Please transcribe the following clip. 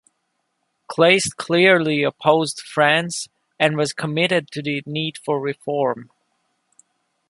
Kleist clearly opposed France and was committed to the need for reform.